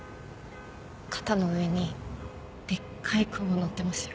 肩の上にでっかいクモ乗ってますよ。